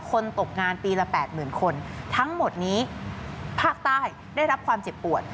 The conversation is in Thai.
ตกงานปีละแปดหมื่นคนทั้งหมดนี้ภาคใต้ได้รับความเจ็บปวด